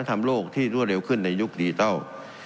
ทำโลกที่รวดเร็วขึ้นในยุคดิจิทัล